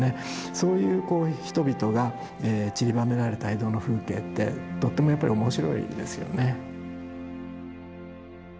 そういうこう人々がちりばめられた江戸の風景ってとってもやっぱり面白いですよね。